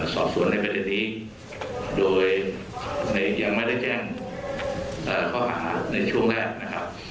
สอบส่วนบันทนี้โดยยังไม่ได้แจ้งข้อหาวิทยาลัยในช่วงแรกนะครับ